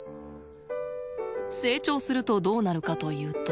成長するとどうなるかというと。